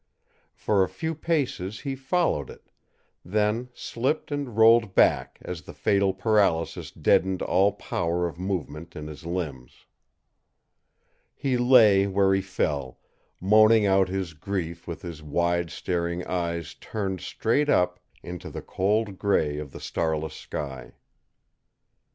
For a few paces he followed it, then slipped and rolled back as the fatal paralysis deadened all power of movement in his limbs. He lay where he fell, moaning out his grief with his wide staring eyes turned straight up into the cold gray of the starless sky.